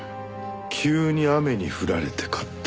急に雨に降られて買った？